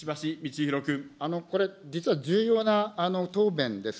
これ、実は重要な答弁です。